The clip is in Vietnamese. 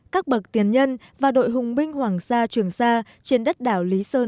các bậc tiền nhân và đội hùng binh hoàng sa trường sa trên đất đảo lý sơn quảng ngãi